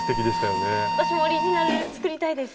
私もオリジナル作りたいです。